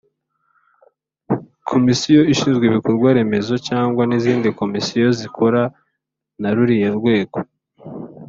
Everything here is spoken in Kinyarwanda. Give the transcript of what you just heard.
Komisiyo ishinzwe Ibikorwa Remezo cyazngwa nizindi komisiyo zikora naruriya rwego.